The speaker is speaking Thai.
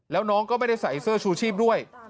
แล้วน้องก็ไม่ได้ใส่เสื้อชูชีพด้วย